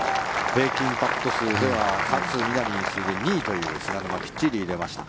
平均パット数では勝みなみに次ぐ２位という菅沼、きっちり入れました。